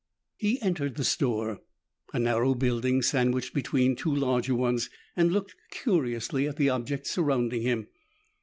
He entered the store, a narrow building sandwiched between two larger ones, and looked curiously at the objects surrounding him.